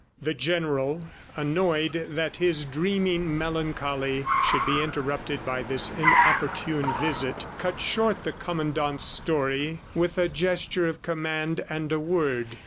The General, annoyed that his dreaming melancholy should be interrupted by this inopportune visit, cut short the Commandant's story with a gesture of command and a word